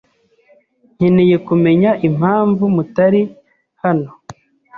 Nkeneye kumenya impamvu mutari hano.